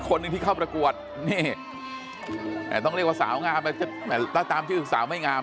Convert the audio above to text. คนหนึ่งที่เข้าประกวดนี่ต้องเรียกว่าสาวงามถ้าตามชื่อสาวไม่งาม